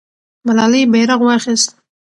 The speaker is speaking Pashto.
ملالۍ بیرغ واخیست.